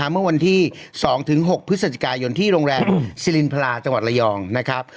เมื่อวันที่๒๖พฤศจิกายนที่โรงแรมสิรินพลาจังหวัดระยองนะครับ